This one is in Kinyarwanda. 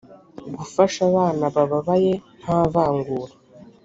gufasha abana bababaye nta vangura